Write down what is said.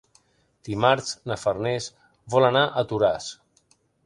Dimarts na Farners vol anar a Toràs.